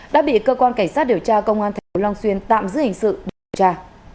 đã bị cơ quan cảnh sát điều tra công an thành phố long xuyên tạm giữ hình sự điều tra